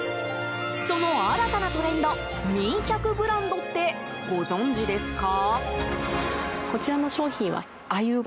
その新たなトレンドみん１００ブランドってご存じですか？